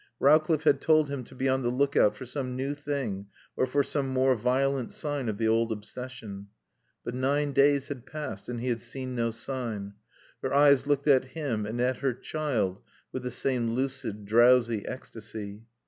Rowcliffe had told him to be on the lookout for some new thing or for some more violent sign of the old obsession. But nine days had passed and he had seen no sign. Her eyes looked at him and at her child with the same lucid, drowsy ecstasy.